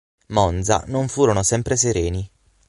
Monza non furono sempre sereni.